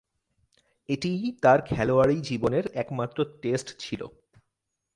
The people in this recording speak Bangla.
এটিই তার খেলোয়াড়ী জীবনের একমাত্র টেস্ট ছিল।